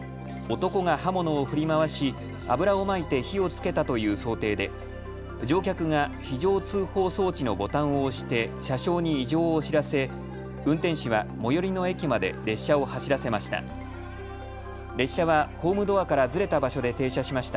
男が刃物を振り回し油をまいて火をつけたという想定で乗客が非常通報装置のボタンを押して車掌に異常を知らせ、運転士は最寄りの駅まで列車を走らせました。